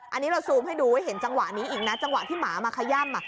อันนี้เราซูมให้ดูให้เห็นจังหวะนี้อีกนะจังหวะที่หมามาขย่ำ